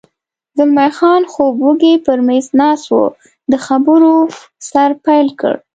زلمی خان خوب وږی پر مېز ناست و، د خبرو سر پیل کړ.